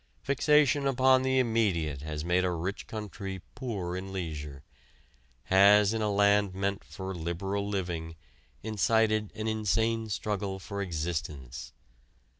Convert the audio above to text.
Fixation upon the immediate has made a rich country poor in leisure, has in a land meant for liberal living incited an insane struggle for existence.